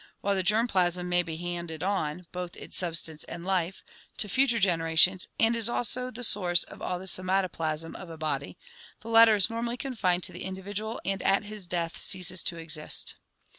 While the germ plasm may be handed on — both its substance and life — to future generations and is also the source of all the somato plasm of a body, the latter is normally confined to the individual and at his death ceases to exist.